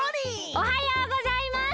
おはようございます。